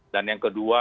dan yang kedua